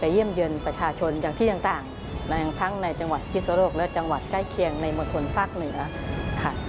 เราก็เลยน้องมาลึกถึงพระองค์ท่าน